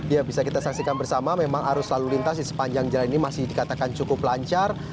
ya bisa kita saksikan bersama memang arus lalu lintas di sepanjang jalan ini masih dikatakan cukup lancar